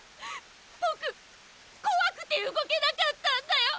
僕っ恐くて動けなかったんだよ！